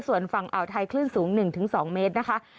ส่วนฝั่งอ่าวไทยคลื่นสูง๑๒เมตรนะคะ